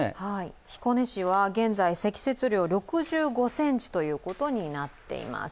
彦根市は現在、積雪量は６５ｃｍということになっています。